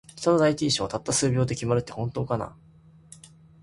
人の第一印象は、たった数秒で決まるって本当かな。